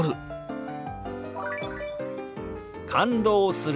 「感動する」。